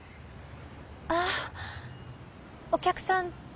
ああお客さん